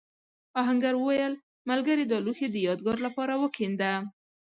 آهنګر وویل ملګري دا لوښی د یادگار لپاره وکېنده.